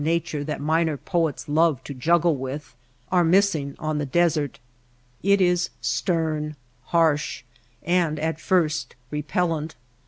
nature that minor poets love to juggle with — are missing on the desert. It is stern, harsh, and at first repellent.